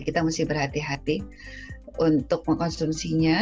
kita mesti berhati hati untuk mengkonsumsinya